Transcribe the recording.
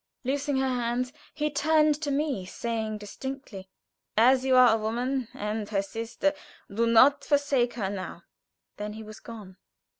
Loosing her hands he turned to me, saying distinctly: "As you are a woman, and her sister, do not forsake her now." Then he was gone.